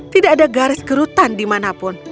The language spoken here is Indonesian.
tidak ada garis kerutan di mana pun